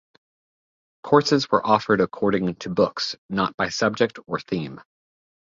Courses were offered according to books, not by subject or theme.